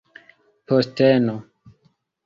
posteno